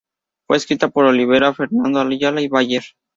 Fue escrita por Olivera, Fernando Ayala y Bayer.